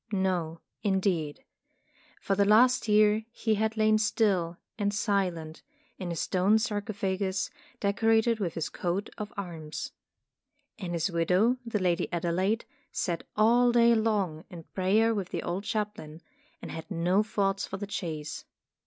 No, indeed. For the last year he had lain still and silent in a stone sarcophagus decorated with his coat of arms. And his widow, the Lady Adelaide, sat all day long in prayer with the old chaplain, and had no thoughts for the chase.